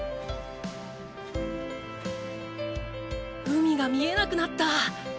海が見えなくなった！